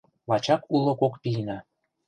Лачак уло кок пийна;